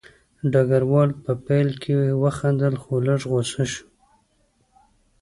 ډګروال په پیل کې وخندل خو لږ غوسه شو